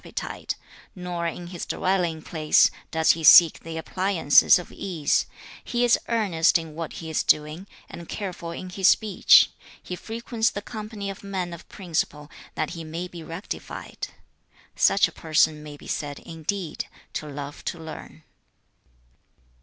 [三節]子曰/賜也/始可與言詩 in his dwelling place does he seek the appliances of ease; he is earnest in what he is doing, and careful in his speech; he frequents the company of men of principle that he may be rectified: such a person may be said indeed to love to learn.'